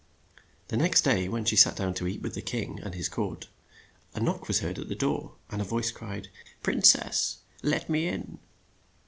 The next day, when she sat down to eat with the king and his court, a knock was heard at the door, and a voice cried, "Prin cess, let me in!"